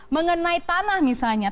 mengenai tanah misalnya